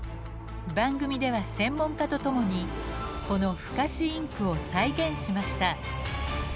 番組では専門家と共にこの不可視インクを再現しました。